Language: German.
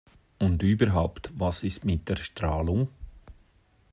Und überhaupt: Was ist mit der Strahlung?